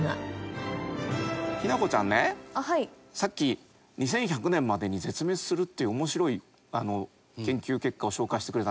日菜子ちゃんねさっき２１００年までに絶滅するっていう面白い研究結果を紹介してくれたね。